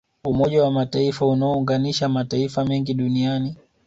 umoja wa mataifa unaounganisha mataifa mengi duniani